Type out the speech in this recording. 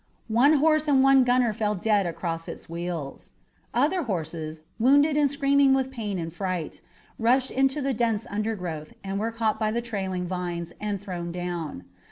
One horse and one gunner fell dead across its wheels. Other horses, wounded and screaming with pain and fright, rushed into the dense undergrowth and were caught by the trailing vines and thrown down.